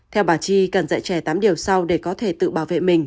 theo bà chi cần dạy trẻ tám điều sau để có thể tự bảo vệ mình